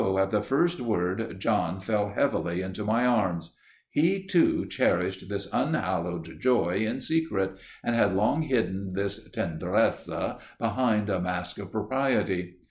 at the first word John fell heavily into my arms. He, too, cherished this unhallowed joy in secret, and had long hidden this tendresse behind a mask of propriety.